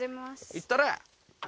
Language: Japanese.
行ったれ！